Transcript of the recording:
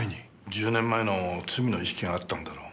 １０年前の罪の意識があったんだろう。